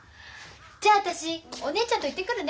じゃあ私お姉ちゃんと行ってくるね。